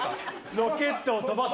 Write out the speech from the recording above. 「ロケットをとばす」。